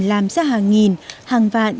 làm ra hàng nghìn hàng vạn